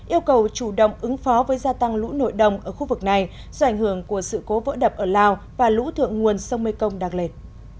yêu cầu chủ động ứng phó với gia tăng lũ nội đồng ở khu vực này do ảnh hưởng của sự cố vỡ đập ở lào và lũ thượng nguồn sông mê công đang lên